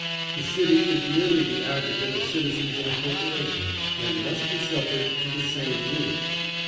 The city is merely the aggregate of citizens in a corporation, and must be subject to the same rules.